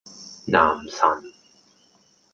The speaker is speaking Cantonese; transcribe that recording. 男神